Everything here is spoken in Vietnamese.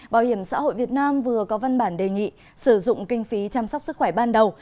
bảo hiểm xã hội việt nam vừa có văn bản đề nghị sử dụng kinh phí chăm sóc sức khỏe ban đầu